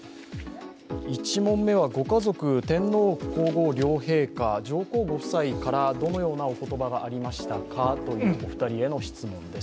１問目はご家族、天皇・皇后両陛下、上皇ご夫妻からどのようなおことばがありましたかというお二人への質問です。